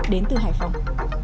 đến từ hải phòng